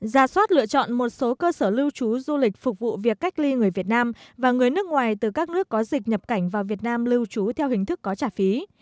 ra soát lựa chọn một số cơ sở lưu trú du lịch phục vụ việc cách ly người việt nam và người nước ngoài từ các nước có dịch nhập cảnh vào việt nam lưu trú theo hình thức có trả phí